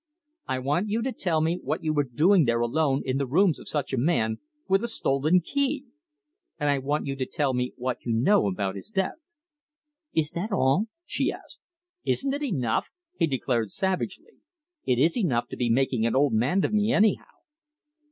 I want you to tell me what you were doing there alone in the rooms of such a man, with a stolen key. And I want you to tell me what you know about his death." "Is that all?" she asked. "Isn't it enough?" he declared savagely. "It is enough to be making an old man of me, anyhow."